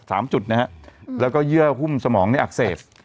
จุดนะฮะแล้วก็เยื่อหุ้มสมองในอักเสบ